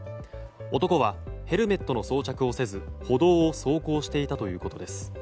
男は、ヘルメットの装着をせず歩道を走行していたということです。